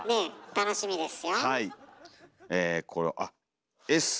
楽しみですよ。